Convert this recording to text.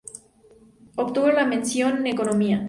Obtuvo la mención en economía.